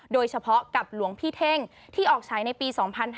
โดยเฉพาะกับหลวงพี่เท่งที่ออกฉายในปี๒๕๕๙